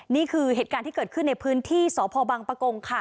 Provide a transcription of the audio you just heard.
นี่คือเหตุการณ์ที่เกิดขึ้นในพื้นที่สพบังปะกงค่ะ